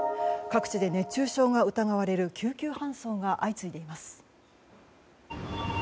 各地で熱中症が疑われる救急搬送が相次いでいます。